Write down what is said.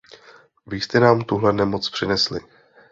Vy jste nám tuhle nemoc přinesli.